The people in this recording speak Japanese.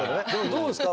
どうですか？